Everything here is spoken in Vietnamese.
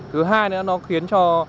thứ hai nữa nó khiến cho